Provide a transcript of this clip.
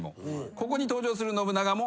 ここに登場する信長も。